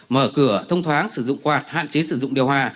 mở cửa thông thoáng sử dụng quạt hạn chế sử dụng điều hòa